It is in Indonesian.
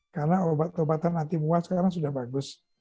karena obat obatan anti muam sekarang sudah bagus